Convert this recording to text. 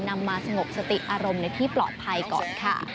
มาสงบสติอารมณ์ในที่ปลอดภัยก่อนค่ะ